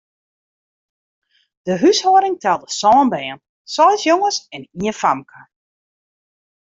De húshâlding telde sân bern, seis jonges en ien famke.